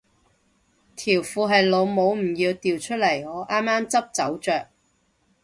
條褲係老母唔要掉出嚟我啱啱執走着